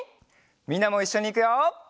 みんなもいっしょにいくよ！